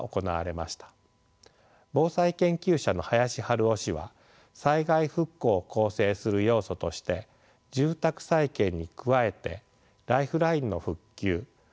防災研究者の林春男氏は災害復興を構成する要素として住宅再建に加えてライフラインの復旧都市計画事業住宅再建雇用の確保